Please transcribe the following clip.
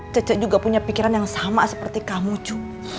cece juga punya pikiran yang sama seperti kamu cucu